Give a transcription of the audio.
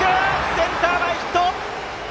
センター前ヒット！